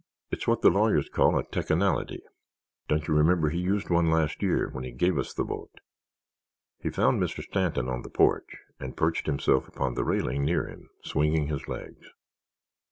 "It's what the lawyers call a teckinality. Don't you remember he used one last year when he gave us the boat?" He found Mr. Stanton on the porch, and perched himself upon the railing near him, swinging his legs.